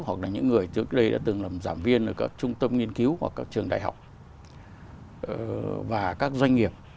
hoặc là những người trước đây đã từng làm giảng viên ở các trung tâm nghiên cứu hoặc các trường đại học và các doanh nghiệp